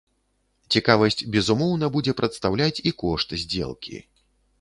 Цікавасць, безумоўна, будзе прадстаўляць і кошт здзелкі.